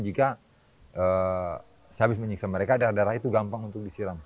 jika sehabis menyiksa mereka darah darah itu gampang untuk disiram